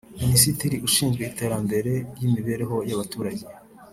Minisitiri ushinzwe iterambere ry’imibereho y’abaturage